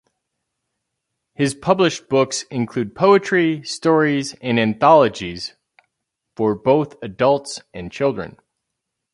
His published books include poetry, stories and anthologies for both adults and children.